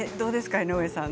江上さん